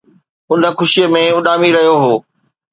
ان خوشيءَ ۾ اڏامي رهيو هو